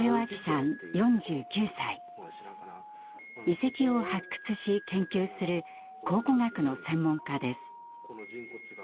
遺跡を発掘し研究する考古学の専門家です。